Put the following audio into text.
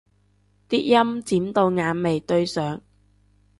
啲陰剪到眼眉對上